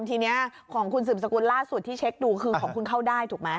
ทีนี้ของคุณสืบสกุลล่าสุดที่เช็คดูคือของคุณเข้าได้ถูกไหม